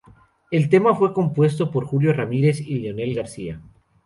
El tema fue compuesto por Julio Ramírez y Leonel García.